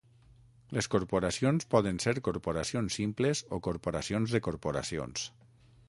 Les corporacions poden ser corporacions simples o corporacions de corporacions.